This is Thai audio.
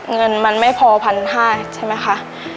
เงินมันไม่พอพันห้าใช่มั้ยคะ